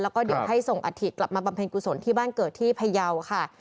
แล้วก็เดี๋ยวให้ส่งอัฐิกลับมาบำเพ็ญกุศลที่บ้านเกิดที่พยาวค่ะ